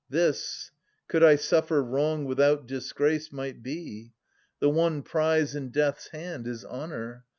This, could I suffer wrong without disgrace, Might be. The one prize in death's hand is honour.